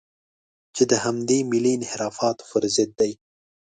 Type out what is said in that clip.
چې د همدې ملي انحرافاتو په ضد دي.